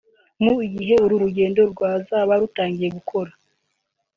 Mu gihe uru ruganda rwazaba rutangiye gukora